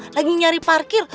lagi nyari parkir